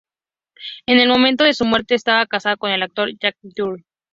En el momento de su muerte estaba casada con el actor Jack Dougherty.